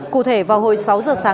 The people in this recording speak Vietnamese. cụ thể vào hồi sáu giờ sáng